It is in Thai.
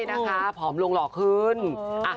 ใช่พอมลงหน่อย